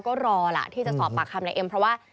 ก็รอล่ะที่จะสอบปากคำนายเอ็มเพราะว่า